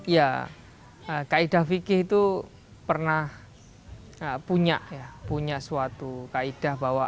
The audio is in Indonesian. ya kaidah fikih itu pernah punya ya punya suatu kaedah bahwa